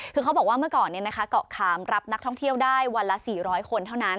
คือเขาบอกว่าเมื่อก่อนเกาะขามรับนักท่องเที่ยวได้วันละ๔๐๐คนเท่านั้น